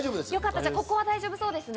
ここは大丈夫そうですね。